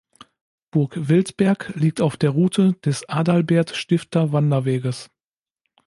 Burg Wildberg liegt auf der Route des Adalbert-Stifter-Wanderweges.